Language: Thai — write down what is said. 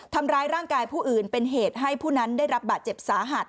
ทำร้ายร่างกายผู้อื่นเป็นเหตุให้ผู้นั้นได้รับบาดเจ็บสาหัส